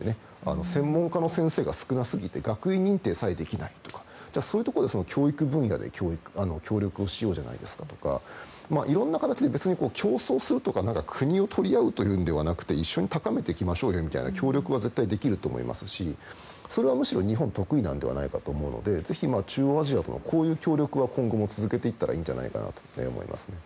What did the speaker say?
専門家の先生が少なすぎて認定さえできないとかそういうところで教育分野で協力しようだとかいろんな形で別に競争するとか国を取り合うとかではなく一緒に高めていきましょうという協力は絶対できると思いますしそれはむしろ日本が得意ではないかと思うのでぜひ中央アジアとのこういう協力は今後も続けていけばいいんじゃないかなと思います。